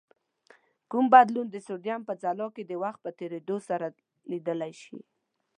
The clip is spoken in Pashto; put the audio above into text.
کوم بدلون د سودیم په ځلا کې د وخت په تیرېدو سره لیدلای شئ؟